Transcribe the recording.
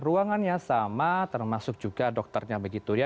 ruangannya sama termasuk juga dokternya begitu ya